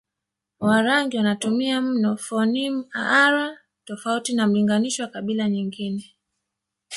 Warangi wanatumia mno fonimu r tofauti na mlinganisho wa kabila nyingine